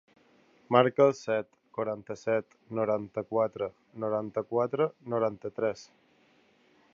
Marca el set, quaranta-set, noranta-quatre, noranta-quatre, noranta-tres.